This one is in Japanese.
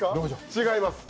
違います。